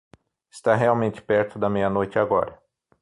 Está realmente perto da meia-noite agora.